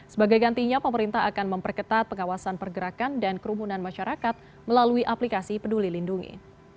sebagai gantinya pemerintah akan memperketat pengawasan pergerakan dan kerumunan masyarakat melalui aplikasi peduli lindungi